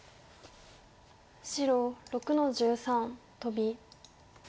白６の十三トビ。